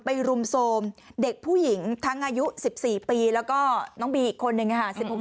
รุมโทรมเด็กผู้หญิงทั้งอายุ๑๔ปีแล้วก็น้องบีอีกคนนึงค่ะ